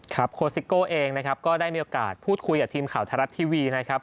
ครับโคสิโกเองก็ได้มีโอกาสพูดคุยกับทีมข่าวทรัศน์ทีวีนะครับ